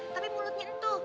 tapi mulutnya entuh